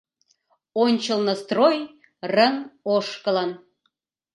Ончылно строй рыҥ ошкылын.